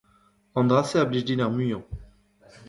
An dra-se a blij din ar muiañ.